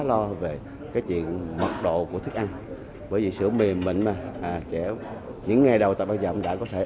lo về cái chuyện mật độ của thức ăn bởi vì sữa mềm mịn mà trẻ những ngày đầu tập ăn dặm đã có thể